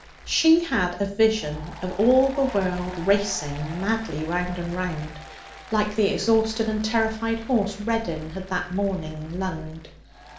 She had a vision of all the world racing madly round and round, like the exhausted and terrified horse Reddin had that morning lunged.